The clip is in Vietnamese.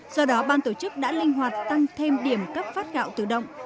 do đó ban tổ chức đã linh hoạt tăng thêm điểm cấp phát gạo tự động